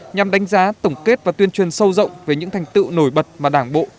nhằm đánh giá tổng kết và tuyên truyền sâu rộng về những thành tựu nổi bật mà đảng bộ